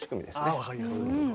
あ分かりやすい。